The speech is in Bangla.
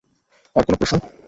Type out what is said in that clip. আর কোন প্রশ্ন?